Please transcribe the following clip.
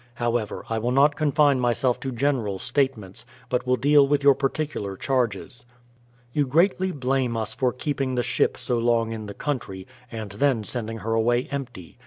However, I will not confine m3 self to general statements, but will deal with your particular charges. You greatly blame us for keeping the ship so long in the country, and then sending her away empty.